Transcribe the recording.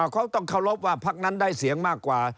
เขาต้องเคารพว่าพักนั้นได้เสียงมากกว่า